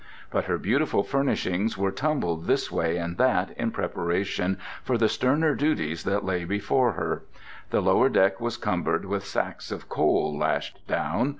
But her beautiful furnishings were tumbled this way and that in preparation for the sterner duties that lay before her. The lower deck was cumbered with sacks of coal lashed down.